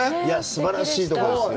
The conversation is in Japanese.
すばらしいところですよ。